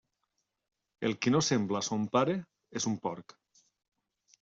El qui no sembla a son pare és un porc.